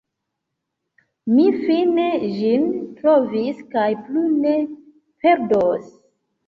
Mi fine ĝin trovis kaj plu ne perdos!